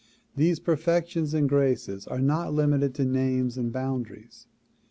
These perfections and graces are not limited to names and boundaries.